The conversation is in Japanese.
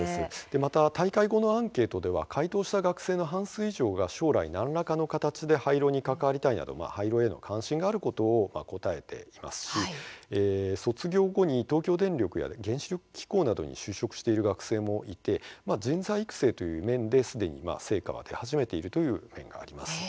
また大会後のアンケートでは回答した学生の半数以上が将来何らかの形で廃炉に関わりたいなど廃炉への関心があることを答えていますし卒業後に東京電力や原子力機構などに就職している学生もいて人材育成という面で既に成果は出始めているという面があります。